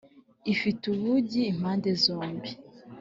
ifite ubugi impande zombi